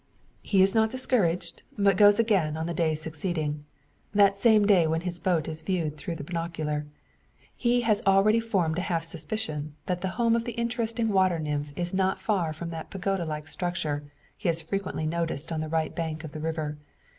He is not discouraged; but goes again on the day succeeding that same when his boat is viewed through the binocular. He has already formed a half suspicion that the home of the interesting water nymph is not far from that pagoda like structure, he has frequently noticed on the right bank of the river.